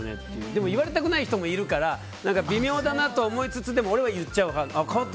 でも言われたくない人もいるから微妙だなとは思いつつ俺は言っちゃう派。